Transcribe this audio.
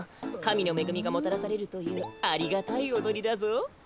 かみのめぐみがもたらせるというありがたいおどりだぞ。